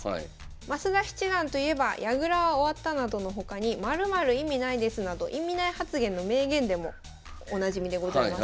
増田七段といえば「矢倉は終わった」などの他に「○○意味ないです」など意味ない発言の名言でもおなじみでございます。